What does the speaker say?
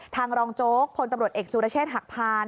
ทางรองโจ๊กพลตำรวจเอกซูรเชศหักพาน